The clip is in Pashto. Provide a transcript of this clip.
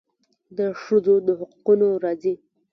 د ښځو د حقونو راځي.